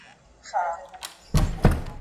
خندا زړه ته قوت ورکوي.